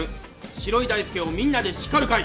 城井大介をみんなで叱る会」。